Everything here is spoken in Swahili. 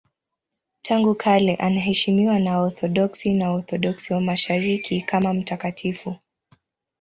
Tangu kale anaheshimiwa na Waorthodoksi na Waorthodoksi wa Mashariki kama mtakatifu.